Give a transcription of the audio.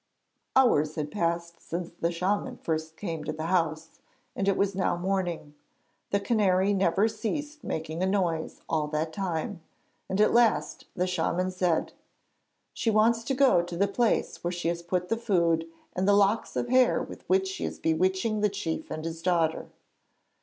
Hours had passed since the shaman first came to the house, and it was now morning. The canary never ceased making a noise all that time, and at last the shaman said: 'She wants to go to the place where she has put the food and the locks of hair with which she is bewitching the chief and his daughter.